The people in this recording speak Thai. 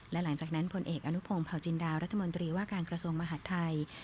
และหลังจากนั้นผลเอกอนุพงศ์เผาจินดารัฐมนตรีว่าการกระทรวงมหาดไทย